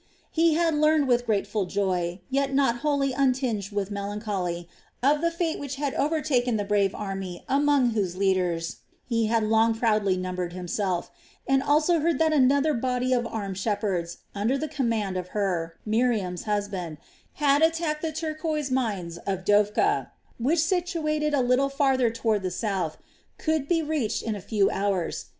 He had learned with grateful joy, yet not wholly untinged with melancholy, of the fate which had overtaken the brave army among whose leaders he had long proudly numbered himself, and also heard that another body of armed shepherds, under the command of Hur, Miriam's husband, had attacked the turquoise mines of Dophkah, which situated a little farther toward the south, could be reached in a few hours.